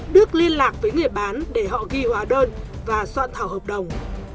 đức liên lạc với người bán để họ ghi hóa đơn và soạn thảo hợp đồng